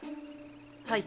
はい。